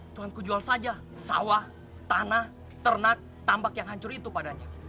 tuhan kujual saja sawah tanah ternak tambak yang hancur itu padanya